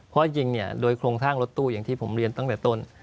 เพราะจริงเนี่ยโดยโครงสร้างรถตู้อย่างที่ผมเรียนตั้งแต่ต้น